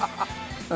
うん。